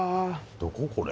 どこ？